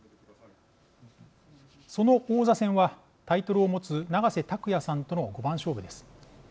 その王座戦はタイトルを持つ永瀬拓矢さんとの五番勝負です。